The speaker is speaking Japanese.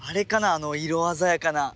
あの色鮮やかな。